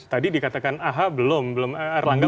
tadi dikatakan aha belum belum erlangga